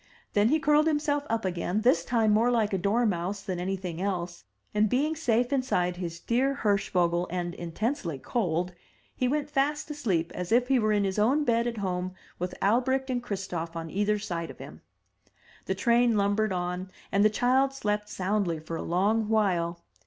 Then he curled himself up again, this time more like a dormouse than anything else; and, being safe inside his dear Hirschvogel and intensely cold, he went fast asleep as if he were in his own bed at home with Albrecht and Christof on either side of him. The train lumbered on, and the child slept soundly for a long while.